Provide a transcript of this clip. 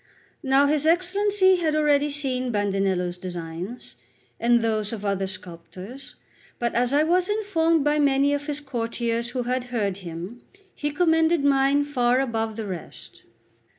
Now his Excellency had already seen Bandinello's designs, and those of other sculptors; but, as I was informed by many of his courtiers who had heard him, he commended mine far above the rest.